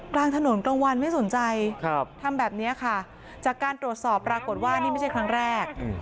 กลางถนนกลางวันไม่สนใจทำแบบนี้ค่ะจากการตรวจสอบปรากฏว่านี่ไม่ใช่ครั้งแรก